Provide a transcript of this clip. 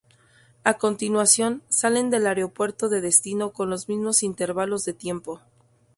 A continuación, salen del aeropuerto de destino con los mismos intervalos de tiempo.